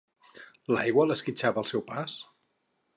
L'aigua l'esquitxava al seu pas?